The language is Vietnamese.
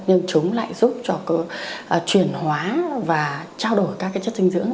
nhưng chúng lại giúp cho chuyển hóa và trao đổi các chất sinh dưỡng